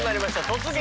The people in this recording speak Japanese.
「突撃！